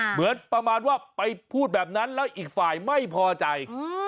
เหมือนประมาณว่าไปพูดแบบนั้นแล้วอีกฝ่ายไม่พอใจ